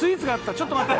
ちょっと待って。